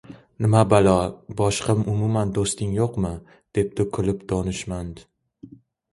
– Nima balo, boshqa umuman doʻsting yoʻqmi? – debdi kulib donishmand.